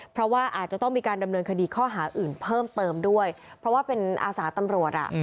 เพราะว่าอาจจะต้องมีการดำเนินคดีข้อหาอื่นเพิ่มเติมด้วยเพราะว่าเป็นอาสาตำรวจอ่ะ